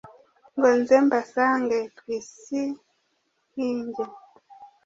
ngo nze mbasange twisihinge